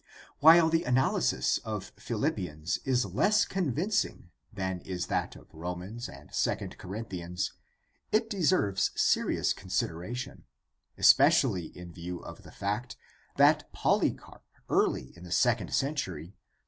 While the analysis of Philippians is less convincing than is that of Romans and II Corinthians, it deserves serious considera tion, especially in view of the fact that Polycarj) early in the second century